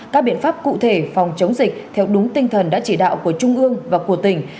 các biện pháp cụ thể phòng chống dịch theo đúng tinh thần đã chỉ đạo của trung ương và của tỉnh